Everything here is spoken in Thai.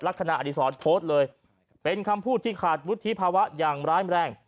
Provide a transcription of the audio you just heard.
คดีอดีศรโพสต์เลยเป็นคำพูดที่ขาดวุฒิภาวะอย่างร้ายแรง